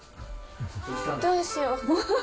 どうしよう。